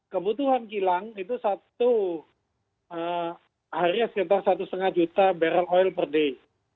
kebutuhan kilang itu satu harinya sekitar satu lima juta barrel oil per day